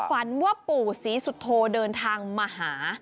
ฝันว่าปู่ศรีสุโธเดินทางมาหา